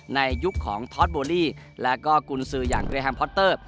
ในยุคของทอดโบลี่แล้วก็กุญสืออย่างเรียแฮมพอตเตอร์